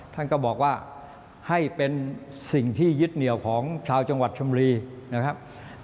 ท่านก็บอกว่าให้เป็นสิ่งที่ยึดเหนียวของชาวจังหวัดชมรีนะครับ